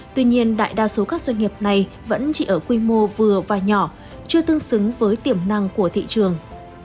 tuy nhiên đại đa số các doanh nghiệp này vẫn chỉ ở quy mô vừa và nhỏ chưa tương xứng với tiềm năng của thị trường